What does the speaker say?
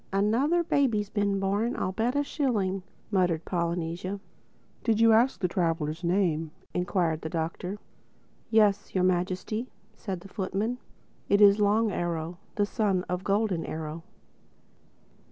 "Another baby's been born, I'll bet a shilling," muttered Polynesia. "Did you ask the traveler's name?" enquired the Doctor. "Yes, Your Majesty," said the footman. "It is Long Arrow, the son of Golden Arrow."